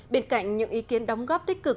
bên cạnh những ý kiến đóng góp tích cực